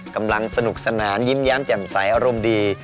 กำลังสนุกสนานยิ้มแย้มแจ่มใสอารมณ์ดี